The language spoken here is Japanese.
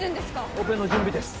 オペの準備です